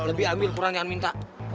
lebih ambil kurang jangan minta